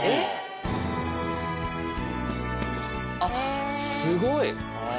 あっすごい！